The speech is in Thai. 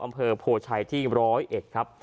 อำเภอโพชัยที่๑๐๑ครับ